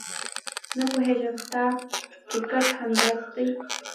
نه پوهېږم ستا ټیکټ همداسې دی.